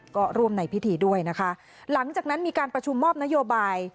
ก็ร่วมในพิธีด้วยนะคะหลังจากนั้นมีการประชุมมอบนโยบาย